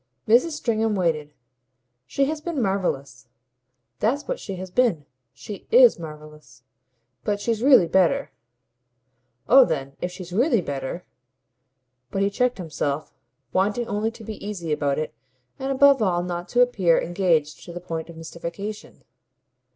Mrs. Stringham waited. "She has been marvellous that's what she has been. She IS marvellous. But she's really better." "Oh then if she's really better !" But he checked himself, wanting only to be easy about it and above all not to appear engaged to the point of mystification.